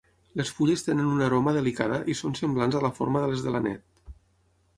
Les fulles tenen una aroma delicada i són semblants a la forma de les de l'anet.